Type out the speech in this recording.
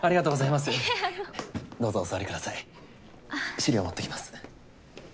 資料持ってきます。